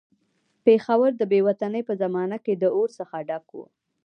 پېښور د بې وطنۍ په زمانه کې د اور څخه ډک وو.